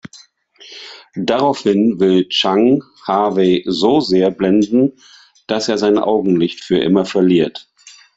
Daraufhin will Chang Harvey so sehr blenden, dass er sein Augenlicht für immer verliert.